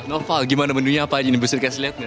naufal gimana menunya apa aja ini bisa dikasih lihat